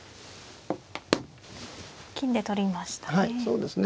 金で取りましたね。